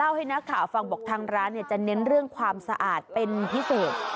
ให้นักข่าวฟังบอกทางร้านจะเน้นเรื่องความสะอาดเป็นพิเศษ